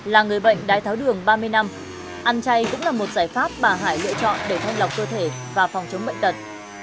là người bệnh đái tháo đường ba mươi năm ăn chay cũng là một giải pháp bà hải lựa chọn để thanh lọc cơ thể và phòng chống bệnh tật